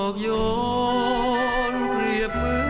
ภูเยาว์้อย่อนเปรียบเหมือนละคร